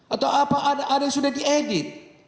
atau apa ada yang sudah diedit